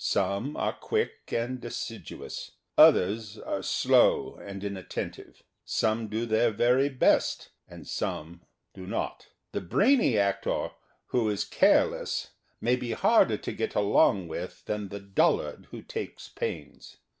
Some are quick and assiduous. Others are slow and inatten tive. Some do their very best and some do not. The brainy actor who is care less may be harder to get along with than the dullard who takes pains.